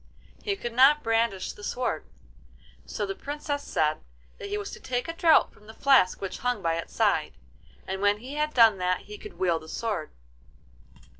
He could not brandish the sword; so the Princess said that he was to take a draught from the flask which hung by its side, and when he had done that he could wield the sword.